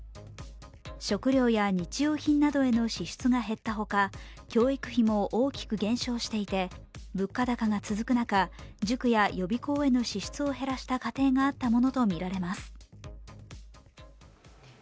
食料や日用品などへの支出が減ったほか、教育費も大きく減少していて物価高が続く中、塾や予備校への支出を減らした家庭があったものとみられます。